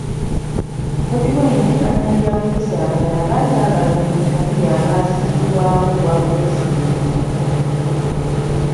Bobi Wine ne bannabyabufuzi abalala baali baagala omuntu omu y'abeera asimbibwawo ku bwapulezidenti.